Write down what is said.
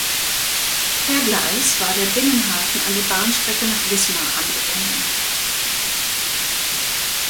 Per Gleis war der Binnenhafen an die Bahnstrecke nach Wismar angebunden.